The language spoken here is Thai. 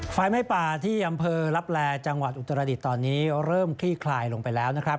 ไฟไหม้ป่าที่อำเภอลับแลจังหวัดอุตรดิษฐ์ตอนนี้เริ่มคลี่คลายลงไปแล้วนะครับ